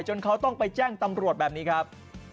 เขาต้องไปแจ้งตำรวจแบบนี้ครับ